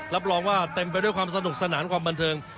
รับรองว่าเต็มไปด้วยความสนุกสนานความบันเทิง